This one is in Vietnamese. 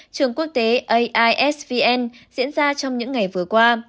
trường quốc tế aisvn diễn ra trong những ngày vừa qua